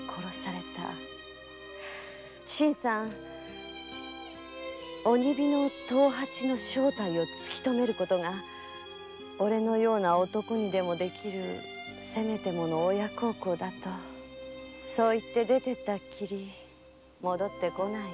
新さん鬼火の藤八の正体を突きとめることがおれのような男にでもできるせめてもの親孝行だとそう言って出てったきり戻って来ない。